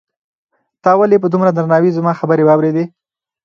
تا ولې په دومره درناوي زما خبرې واورېدې؟